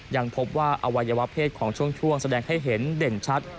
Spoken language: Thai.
ยังพบว่าอวัยวะเพศของช่วงแสดงให้เห็นเด่นชัด